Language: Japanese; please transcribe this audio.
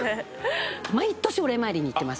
毎年お礼参りに行っています。